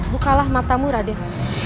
bukalah matamu raden